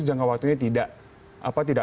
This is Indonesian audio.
jangka waktunya tidak